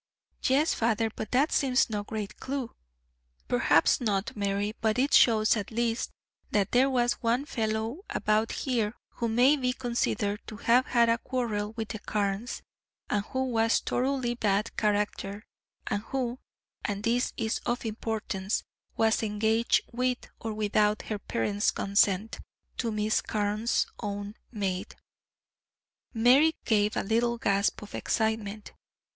"Yes, father, but that seems no great clue." "Perhaps not, Mary, but it shows at least that there was one fellow about here who may be considered to have had a quarrel with the Carnes, and who was a thoroughly bad character, and who and this is of importance was engaged, with or without her parents' consent, to Miss Carne's own maid." Mary gave a little gasp of excitement.